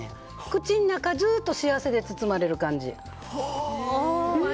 口の中ずっと幸せで包まれる感じ。